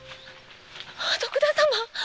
あ徳田様。